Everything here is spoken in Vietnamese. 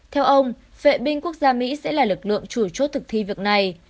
theo ông vệ binh quốc gia mỹ sẽ là lực lượng chủ chốt thực thi việc này